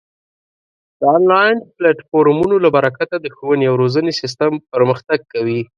د آنلاین پلتفورمونو له برکته د ښوونې او روزنې سیستم پرمختګ کوي.